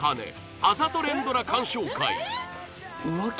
あざと連ドラ鑑賞会